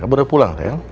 kamu udah pulang sayang